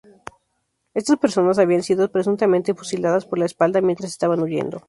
Estas personas habían sido presuntamente fusiladas por la espalda mientras estaba huyendo.